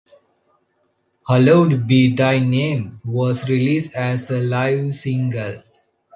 "Hallowed Be Thy Name" was released as a live single.